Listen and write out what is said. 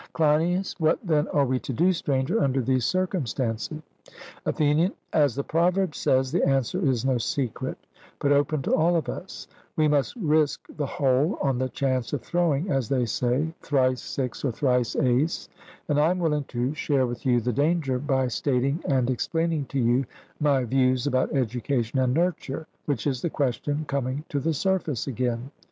CLEINIAS: What then are we to do, Stranger, under these circumstances? ATHENIAN: As the proverb says, the answer is no secret, but open to all of us: We must risk the whole on the chance of throwing, as they say, thrice six or thrice ace, and I am willing to share with you the danger by stating and explaining to you my views about education and nurture, which is the question coming to the surface again.